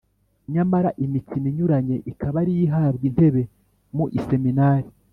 nyamara imikino inyuranye ikaba ariyo ihabwa intebe mu Iseminari.